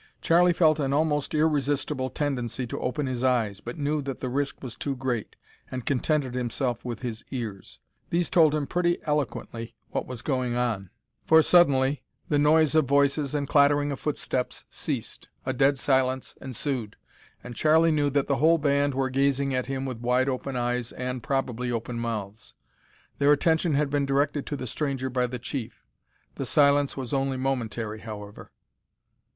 Charlie felt an almost irresistible tendency to open his eyes, but knew that the risk was too great, and contented himself with his ears. These told him pretty eloquently what was going on, for suddenly, the noise of voices and clattering of footsteps ceased, a dead silence ensued, and Charlie knew that the whole band were gazing at him with wide open eyes and, probably, open mouths. Their attention had been directed to the stranger by the chief. The silence was only momentary, however.